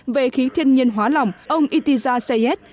về khí thiên nhiên hóa lỏng ông itiza sayed